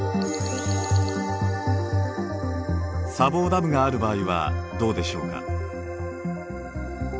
砂防ダムがある場合はどうでしょうか。